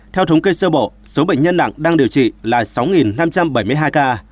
theo thống kê sơ bộ số bệnh nhân nặng đang điều trị là sáu năm trăm bảy mươi hai ca